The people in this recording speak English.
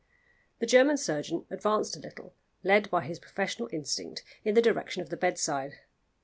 The German surgeon advanced a little, led by his professional instinct, in the direction of the bedside.